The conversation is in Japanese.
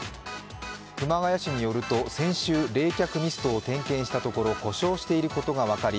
熊谷市によると先週冷却ミストを点検したところ故障していることが分かり